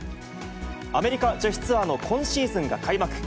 アメリカ女子ツアーの今シーズンが開幕。